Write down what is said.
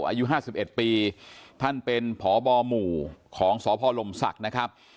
อายุห้าสิบเอ็ดปีท่านเป็นผอบอหมู่ของสอพลลมศักดิ์นะครับ